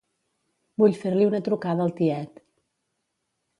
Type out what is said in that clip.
Vull fer-li una trucada al tiet.